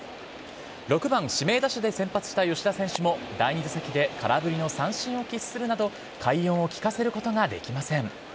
６番指名打者で先発した吉田選手も、第２打席で空振りの三振を喫するなど、快音を聞かせることができません。